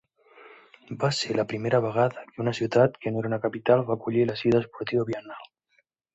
Va ser la primera vegada que una ciutat que no era una capital va acollir la cita esportiva biennal.